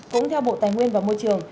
cũng theo bộ tài nguyên và môi trường